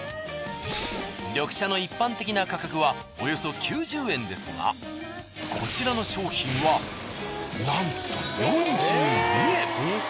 緑茶の一般的な価格はおよそ９０円ですがこちらの商品はなんと４２円。